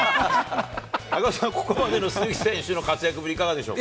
赤星さん、ここまでの鈴木選手の活躍ぶり、いかがでしょう。